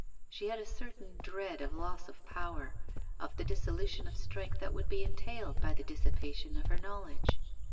She had a certain dread of loss of power, of the dissolution of strength that would be entailed by the dissipation of her knowledge.